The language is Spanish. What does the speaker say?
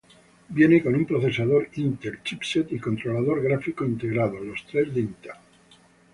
Viene con un procesador Intel, chipset y controlador gráfico integrados, los tres de Intel.